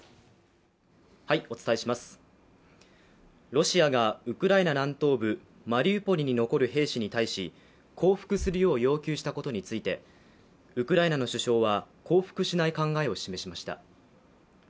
ロシアがウクライナ南東部マリウポリに残る兵士に対し降伏するよう要求したことについて、ウクライナの首相は降伏しない考えを示しました。